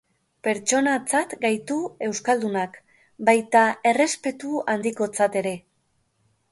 Pertsonatzat gaitu euskaldunak, baita errespetu handikotzat ere.